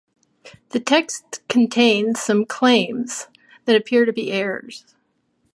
The text contains some claims that appear to be errors.